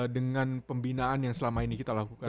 dengan pembinaan yang selama ini kita lakukan